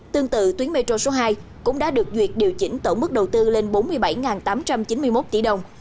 tương tự tuyến metro số hai cũng đã được duyệt điều chỉnh tổng mức đầu tư lên bốn mươi bảy tám trăm chín mươi một tỷ đồng